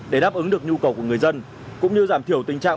để đáp ứng được nhu cầu của người dân cũng như giảm thiểu tình trạng